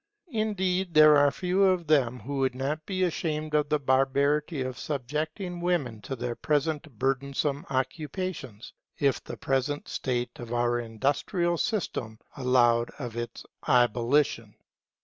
Indeed there are few of them who would not be ashamed of the barbarity of subjecting women to their present burdensome occupations, if the present state of our industrial system allowed of its abolition.